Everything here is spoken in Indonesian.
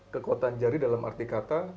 kekuatan jari dalam arti kata